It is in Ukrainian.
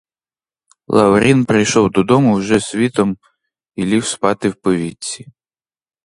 Лаврін прийшов додому вже світом і ліг спати в повітці.